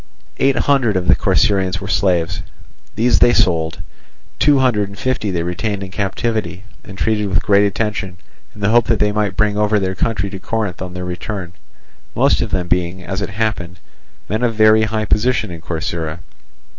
Eight hundred of the Corcyraeans were slaves; these they sold; two hundred and fifty they retained in captivity, and treated with great attention, in the hope that they might bring over their country to Corinth on their return; most of them being, as it happened, men of very high position in Corcyra.